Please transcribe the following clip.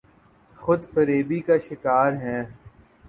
خود فریبی کا شکارہیں۔